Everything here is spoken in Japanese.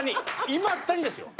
いまだにですよ。